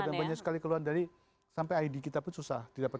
dan banyak sekali keluhan dari sampai id kita pun susah didapat